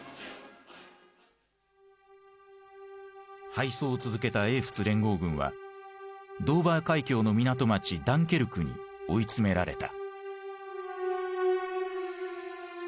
敗走を続けた英仏連合軍はドーバー海峡の港町ダンケルクに追い詰められた。